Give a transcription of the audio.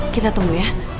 kita tunggu ya